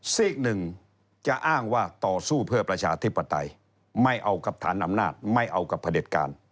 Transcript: ซีกหนึ่งจะอ้างว่าต่อสู้เพื่อประชาธิปไตยไม่เอากับฐานอำนาจไม่เอากับพระเด็จการ